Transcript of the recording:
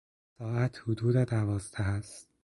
ساعت حدود دوازده است.